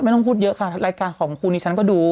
ต้องพูดเยอะค่ะรายการของครูนี้ฉันก็ดู